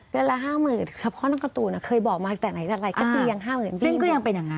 เดือนละ๕๐๐๐๐เฉพาะนางการ์โตนเคยบอกมาตั้งแต่ไหนแต่อะไรก็คือยัง๕๐๐๐๐ียง